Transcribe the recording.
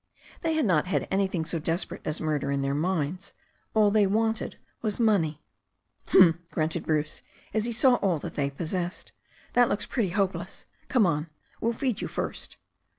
They had not had anything so desperate as murder in their minds. All they wanted was money. "Hm!" grunted Bruce, as he saw all that they possessed. "That looks pretty hopeless. Come on. We'll feed you first."